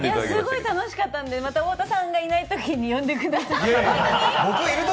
すごい楽しかったんで、また太田さんがいないときに呼んでください。